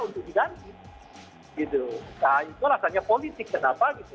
nah itu rasanya politik kenapa gitu